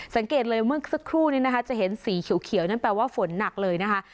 สังเกตเลยเมื่อสักครู่นี้นะคะจะเห็นสีเขียวนั่นแปลว่าฝนหนักเลยนะคะ